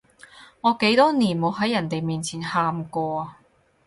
我幾多年冇喺人哋面前喊過啊